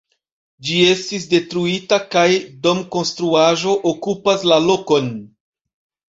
Ĝi estis detruita kaj domkonstruaĵo okupas la lokon.